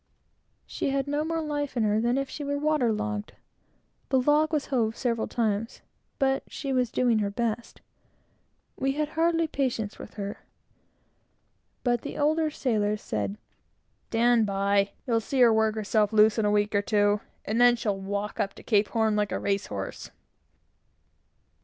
She had no more life in her than if she were water logged. The log was hove several times; but she was doing her best. We had hardly patience with her, but the older sailors said "Stand by! you'll see her work herself loose in a week or two, and then she'll walk up to Cape Horn like a race horse."